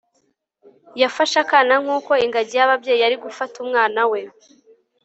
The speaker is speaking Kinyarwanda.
yafashe akana nkuko ingagi yababyeyi yari gufata umwana we